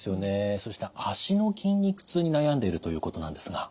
そして足の筋肉痛に悩んでいるということなんですが。